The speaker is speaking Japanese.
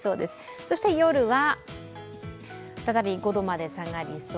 そして夜は、再び５度まで下がりそう。